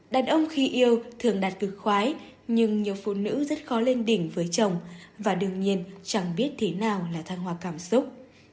đàn ông khi yêu thường đặt từ khoái nhưng nhiều phụ nữ rất khó lên đỉnh với chồng và đương nhiên chẳng biết thế nào là thăng hoa cảm xúc